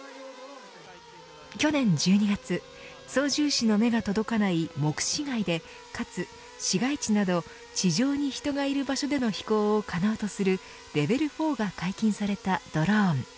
去年１２月操縦士の目が届かない、目視外でかつ市街地など地上に人がいる場所での飛行を可能とするレベル４が解禁されたドローン。